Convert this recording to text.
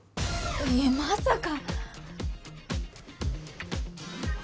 いやまさか。